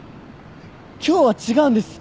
今日は違うんです。